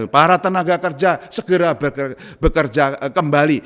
para tenaga kerja segera bekerja kembali